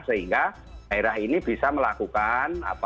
sehingga daerah ini bisa melakukan